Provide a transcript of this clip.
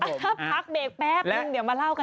อ่ะครับพักเก็บแป๊บนึงเดี๋ยวมาเล่ากันต่อ